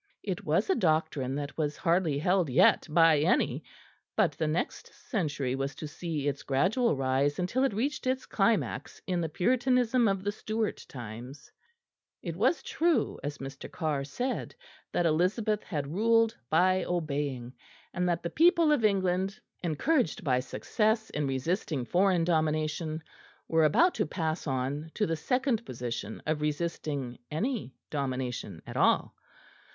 It was a doctrine that was hardly held yet by any; but the next century was to see its gradual rise until it reached its climax in the Puritanism of the Stuart times. It was true, as Mr. Carr said, that Elizabeth had ruled by obeying; and that the people of England, encouraged by success in resisting foreign domination, were about to pass on to the second position of resisting any domination at all.